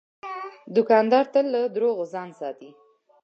دوکاندار تل له دروغو ځان ساتي.